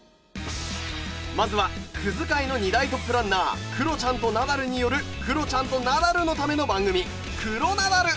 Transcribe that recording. まずはクズ界の二大トップランナークロちゃんとナダルによるクロちゃんとナダルのための番組。